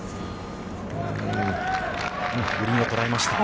グリーンを捉えました。